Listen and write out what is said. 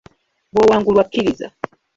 Bw'owangulwa kkiriza.